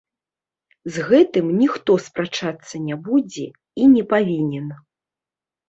З гэтым ніхто спрачацца не будзе і не павінен.